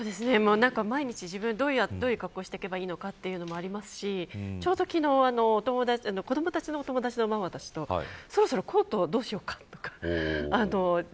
毎日、自分どういう格好をすればいいのかというのもありますしちょうど昨日子どもたちのお友達のママたちとそろそろコートをどうしようかとか。